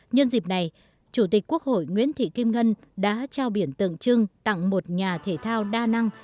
nhân dịp này chủ tịch quốc hội nguyễn thị kim ngân đã trao biển tượng trưng tặng một nhà thể thao đa năng